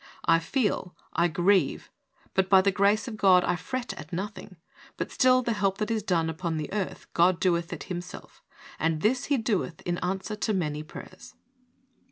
I feel, I grieve, but by the grace of God I fret at nothing, but still the help that is done upon the earth God doeth it Himself; and this He doeth in answer to many prayers."